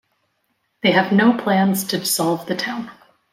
They have no plans to dissolve the town.